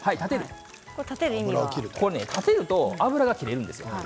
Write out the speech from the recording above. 立てると油が切れるんですよ。